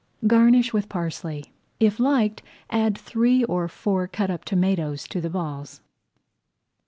Garnish with parsley. If liked, add three or four cut up tomatoes to the balls.